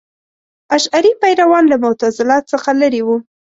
اشعري پیروان له معتزله څخه لرې وو.